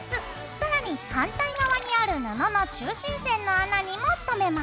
さらに反対側にある布の中心線の穴にもとめます。